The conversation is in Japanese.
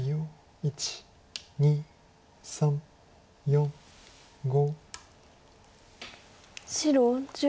１２３４５６。